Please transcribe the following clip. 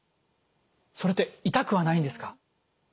それって痛くはないんですか？